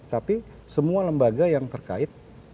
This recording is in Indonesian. tapi semua lembaga yang terkait